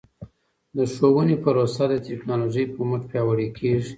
د ښوونې پروسه د ټکنالوژۍ په مټ پیاوړې کیږي.